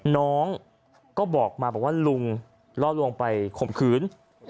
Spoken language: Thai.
น้องก็บอกมาบอกว่าลุงล่อลวงไปข่มขืน